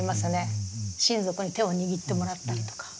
親族に手を握ってもらったりとか。